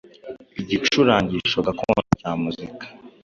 Igicurangisho gakondo cya muzika,